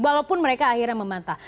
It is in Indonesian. walaupun mereka akhirnya memantah